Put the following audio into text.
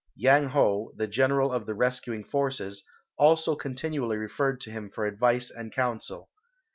Yang Ho, the general of the rescuing forces, also continually referred to him for advice and counsel.